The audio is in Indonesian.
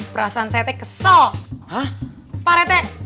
perasaan saya teh kesel